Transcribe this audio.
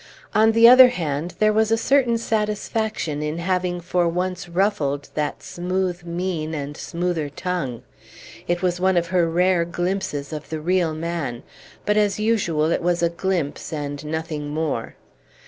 On the other hand, there was a certain satisfaction in having for once ruffled that smooth mien and smoother tongue; it was one of her rare glimpses of the real man, but as usual it was a glimpse and nothing more.